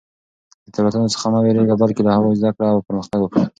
د تېروتنو څخه مه وېرېږه، بلکې له هغوی زده کړه او پرمختګ وکړه.